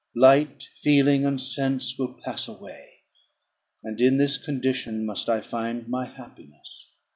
Light, feeling, and sense will pass away; and in this condition must I find my happiness.